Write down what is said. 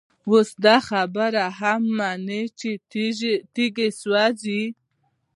اوس دا خبره هم مني چي تيږي سوزي،